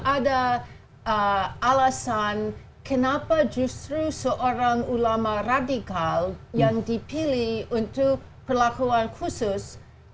ada alasan kenapa justru seorang ulama radikal yang dipilih untuk perlakuan khusus